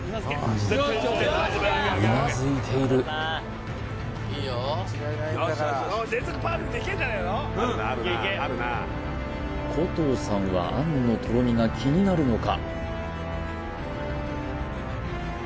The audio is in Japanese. うなずいている古藤さんは餡のとろみが気になるのか？